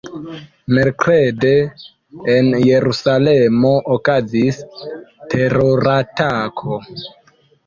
Merkrede en Jerusalemo okazis teroratako.